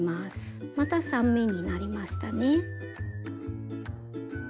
また３目になりましたね。